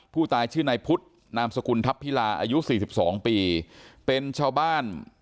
ผู้ตายชื่อนายพุทธนามสกุลทัพพิลาอายุ๔๒ปีเป็นชาวบ้าน